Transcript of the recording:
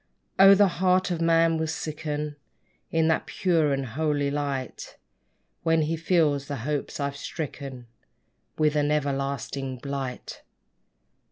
Oh! the heart of man will sicken In that pure and holy light, When he feels the hopes I've stricken With an everlasting blight!